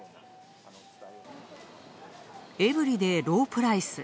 エブリデー・ロー・プライス。